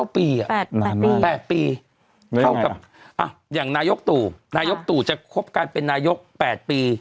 ๘ปีเท่ากับอย่างนายกตู่นายกตู่จะคบกันเป็นนายก๘ปี